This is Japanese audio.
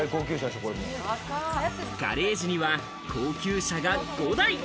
ガレージには高級車が５台。